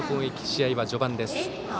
試合は序盤です。